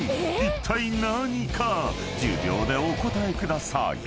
いったい何か１０秒でお答えください］